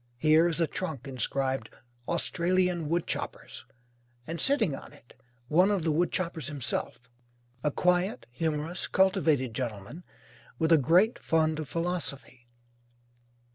Here is a trunk inscribed Australian Woodchoppers, and sitting on it one of the woodchoppers himself, a quiet, humorous, cultivated gentleman with a great fund of philosophy.